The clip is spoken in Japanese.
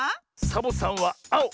サボさんはあお！